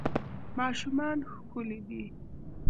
ماشومان ښکلي دي